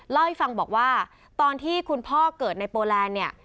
เล่าให้ฟังบอกว่าตอนที่คุณพ่อเกิดในโปแลนด์เนี่ย